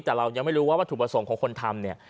แต่เรายังไม่รู้ว่าวัตถุประสงค์ของคนทำเนี่ย